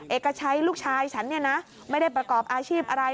เอกชัยลูกชายฉันเนี่ยนะไม่ได้ประกอบอาชีพอะไร